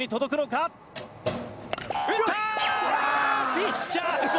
ピッチャーゴロ！